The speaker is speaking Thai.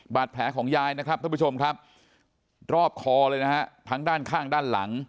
บาดแผลของยายนะครับท่านผู้ชมครับรอบคอเลยนะฮะทั้งด้านข้างด้านหลัง